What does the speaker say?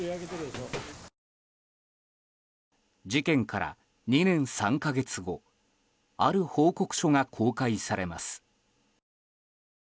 事件から２年３か月後ある報告書が公開されます。